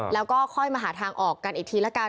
แล้วก็ค่อยมาหาทางออกกันอีกทีละกัน